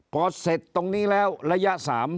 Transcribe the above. พอเสร็จตรงนี้แล้วระยะ๓